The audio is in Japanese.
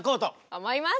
思います！